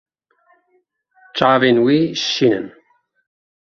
Çavên wî şîn in.